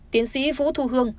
tiến sĩ vũ thu hương